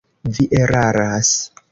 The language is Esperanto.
Vi eraras.